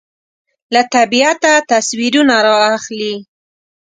له طبیعته تصویرونه رااخلي